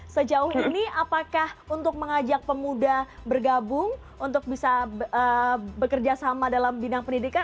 sejauh ini apakah untuk mengajak pemuda bergabung untuk bisa bekerja sama dalam bidang pendidikan